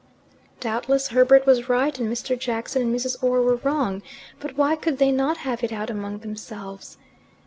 Doubtless Herbert was right, and Mr. Jackson and Mrs. Orr were wrong. But why could they not have it out among themselves?